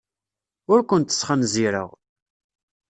Ur kent-sxenzireɣ.